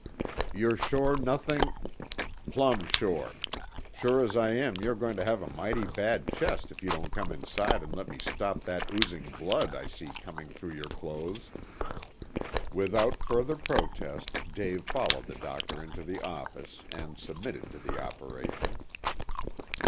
"You're sure nothing " "Plumb sure! Sure as I am you're going to have a mighty bad chest if you don't come inside and let me stop that oozing blood I see coming through your clothes." Without further protest Dave followed the doctor into the office, and submitted to the operation.